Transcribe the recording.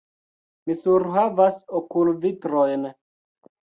Mi surhavas okulvitrojn.